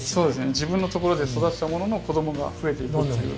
自分のところで育てたものの子供がふえていくっていう。